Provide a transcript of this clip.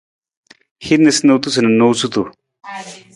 Hin niisaniisatu na noosutu.